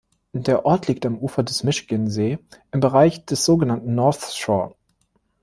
Der Ort liegt am Ufer des Michigansee im Bereich des so genannten "North Shore".